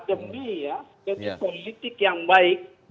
demi politik yang baik